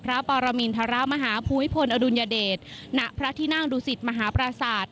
พระปรมินทรมาฮาภูมิพลอดุลยเดชณพระที่นั่งดูสิตมหาปราศาสตร์